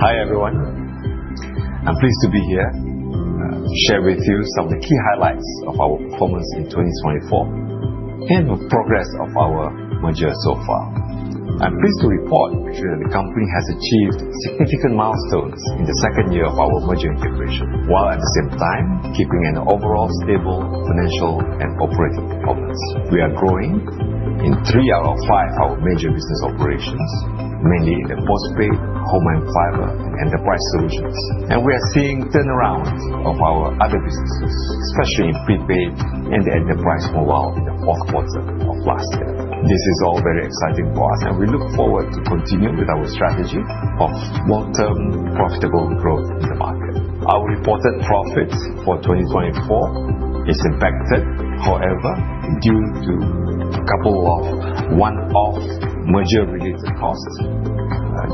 Hi everyone, I'm pleased to be here to share with you some of the key highlights of our performance in 2024 and the progress of our merger so far. I'm pleased to report that the company has achieved significant milestones in the second year of our merger integration, while at the same time keeping an overall stable financial and operating performance. We are growing in three out of five of our major business operations, mainly in the postpaid, home and fibre, and enterprise solutions, and we are seeing turnarounds of our other businesses, especially in prepaid and the enterprise mobile in the fourth quarter of last year. This is all very exciting for us, and we look forward to continuing with our strategy of long-term profitable growth in the market. Our reported profit for 2024 is impacted, however, due to a couple of one-off merger-related costs.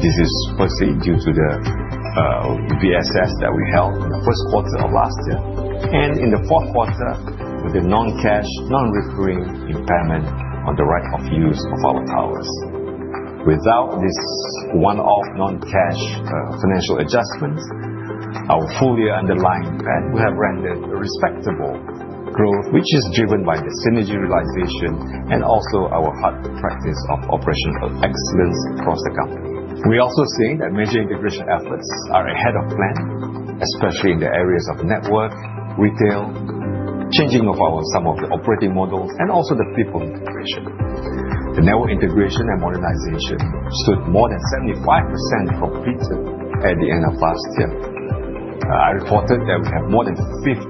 This is firstly due to the VSS that we held in the first quarter of last year, and in the fourth quarter, with the non-cash, non-recurring impairment on the right-of-use of our towers. Without this one-off non-cash financial adjustment, our full year underlying PAT would have rendered a respectable growth, which is driven by the synergy realization and also our best practice of operational excellence across the company. We are also seeing that major integration efforts are ahead of plan, especially in the areas of network, retail, changing of some of the operating models, and also the people integration. The network integration and modernization stood more than 75% completed at the end of last year. I reported that we have more than 50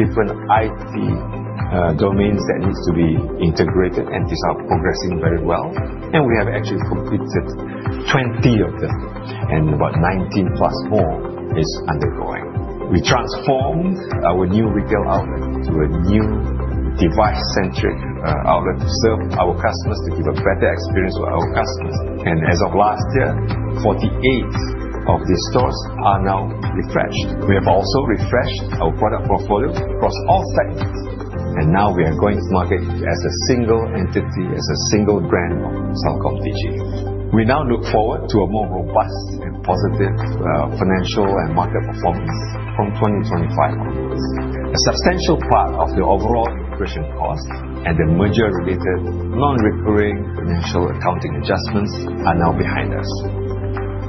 different IT domains that need to be integrated, and these are progressing very well. And we have actually completed 20 of them, and about 19+ more are undergoing. We transformed our new retail outlet into a new device-centric outlet to serve our customers, to give a better experience to our customers. And as of last year, 48 of these stores are now refreshed. We have also refreshed our product portfolio across all sectors, and now we are going to market as a single entity, as a single brand of CelcomDigi. We now look forward to a more robust and positive financial and market performance from 2025 onwards. A substantial part of the overall integration costs and the merger-related non-recurring financial accounting adjustments are now behind us.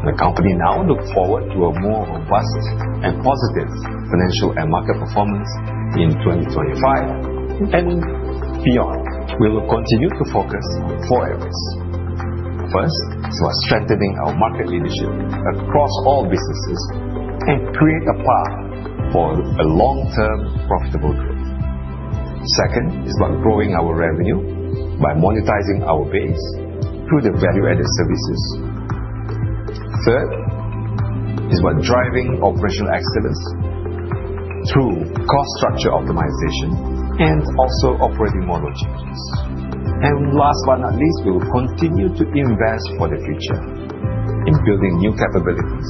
The company now looks forward to a more robust and positive financial and market performance in 2025 and beyond. We will continue to focus on four areas. First is about strengthening our market leadership across all businesses and creating a path for long-term profitable growth. Second is about growing our revenue by monetizing our base through the value-added services. Third is about driving operational excellence through cost structure optimization and also operating model changes. And last but not least, we will continue to invest for the future in building new capabilities,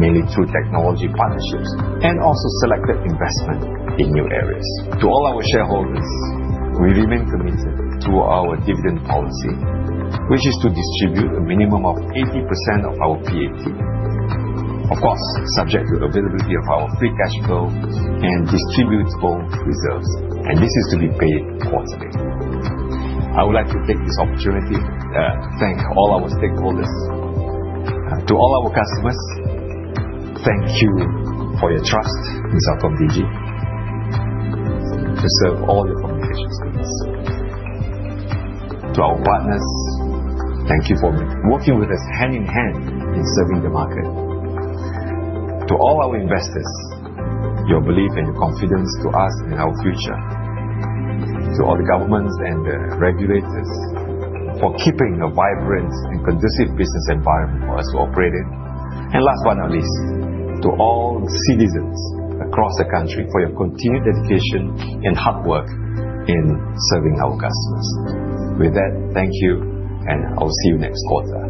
mainly through technology partnerships and also selected investments in new areas. To all our shareholders, we remain committed to our dividend policy, which is to distribute a minimum of 80% of our PAT, of course, subject to the availability of our free cash flow and distributable reserves, and this is to be paid quarterly. I would like to take this opportunity to thank all our stakeholders. To all our customers, thank you for your trust in CelcomDigi to serve all your communications needs. To our partners, thank you for working with us hand in hand in serving the market. To all our investors, your belief and your confidence in us and our future. To all the governments and the regulators for keeping a vibrant and conducive business environment for us to operate in, and last but not least, to all CDzens across the country for your continued dedication and hard work in serving our customers. With that, thank you, and I will see you next quarter.